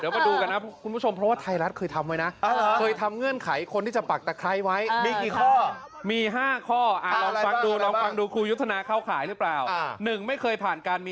ฝนหยุดตกเลยรับปากคุณครูค่ะ